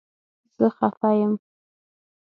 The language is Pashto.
زه خفه یم